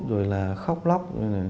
rồi là khóc lóc